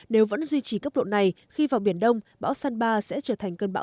nếu vẫn duy trì cấp độ này khi vào biển đông bão sanba sẽ trở thành cơn bão